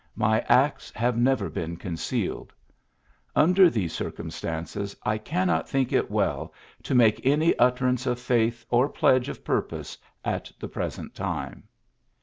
My acts have never been concealed. ^^ Under these circumstances, I cannot think it well to make any utterance of faith or pledge of purpose at the present time.'